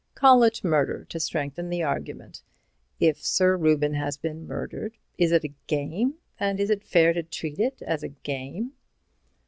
Call it murder, to strengthen the argument. If Sir Reuben has been murdered, is it a game? and is it fair to treat it as a game?"